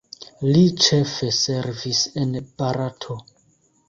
Li ĉefe servis en Barato.